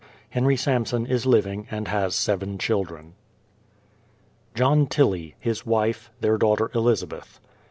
Henry Samson is living and has seven children. JOHN TILLIE; his wife; their daughter, Elizabeth.